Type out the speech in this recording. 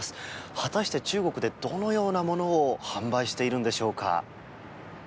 果たして、中国でどのようなものを販売しているんでしょうか。